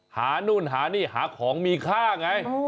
หานู่นหานี่หาของมีค่าไง